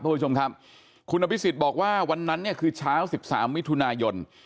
คุณผู้ชมครับคุณอภิษฎบอกว่าวันนั้นเนี่ยคือเช้า๑๓มิถุนายน